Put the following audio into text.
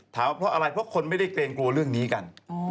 เพราะอะไรเพราะคนไม่ได้เกรงกลัวเรื่องนี้กัน